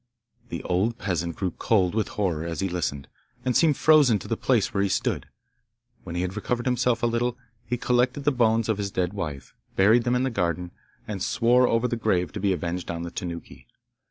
The old peasant grew cold with horror as he listened, and seemed frozen to the place where he stood. When he had recovered himself a little, he collected the bones of his dead wife, buried them in the garden, and swore over the grave to be avenged on the Tanuki.